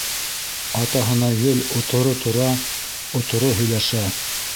Атаһына гел оторо тора, оторо һөйләшә.